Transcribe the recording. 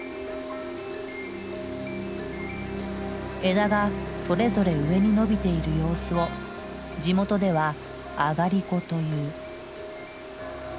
枝がそれぞれ上に伸びている様子を地元では「あがりこ」という。